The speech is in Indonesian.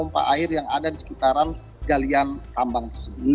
semua pompa air yang ada di sekitaran galian tambang